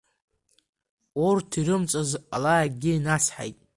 Урҭ ирымҵаз ала акгьы инацҳаит.